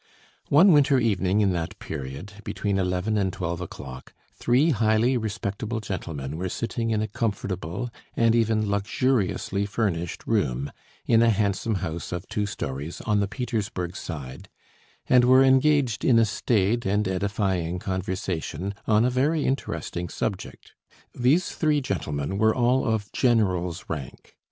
One winter evening in that period, between eleven and twelve o'clock, three highly respectable gentlemen were sitting in a comfortable and even luxuriously furnished room in a handsome house of two storeys on the Petersburg Side, and were engaged in a staid and edifying conversation on a very interesting subject. These three gentlemen were all of generals' rank.